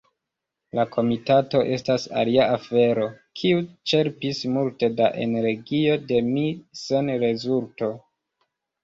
La komitato estas alia afero kiu ĉerpis multe da energio de mi sen rezulto.